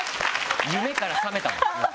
夢から覚めたもんもう。